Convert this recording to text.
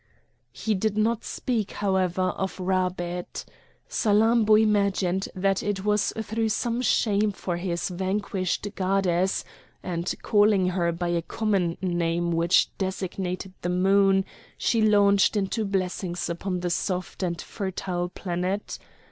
He did not speak, however, of Rabbet. Salammbô imagined that it was through some shame for his vanquished goddess, and calling her by a common name which designated the moon, she launched into blessings upon the soft and fertile planet.